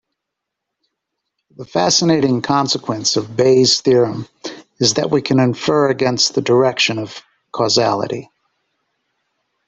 The fascinating consequence of Bayes' theorem is that we can infer against the direction of causality.